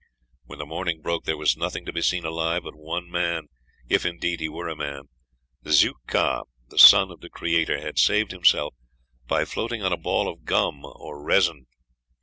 When the morning broke there was nothing to be seen alive but one man if indeed he were a man; Szeu kha, the son of the Creator, had saved himself by floating on a ball of gum or resin."